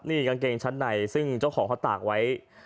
นี่กางเกงชั้นในซึ่งเจ้าของเขาตากไว้